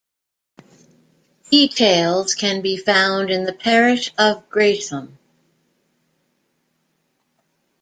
Details can be found in the parish of Greatham.